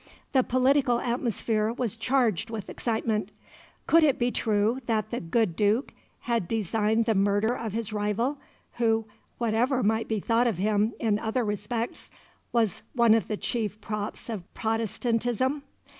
The political atmosphere was charged with excitement. Could it be true that the "good Duke" had designed the murder of his rival, who, whatever might be thought of him in other respects, was one of the chief props of Protestantism?